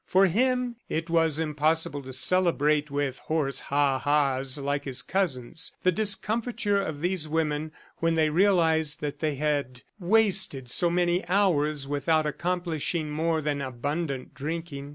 For him, it was impossible to celebrate with hoarse ha has, like his cousins, the discomfiture of these women when they realized that they had wasted so many hours without accomplishing more than abundant drinking.